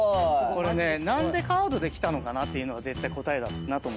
何でカードで来たのかなっていうのが絶対答えだなと。